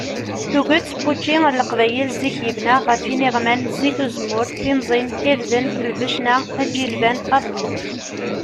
Tuget n wučči ar leqbayel zik yebna ɣef iniɣman, zit uzemmur, timẓin, irden, lbecna, ajilban, abelluḍ.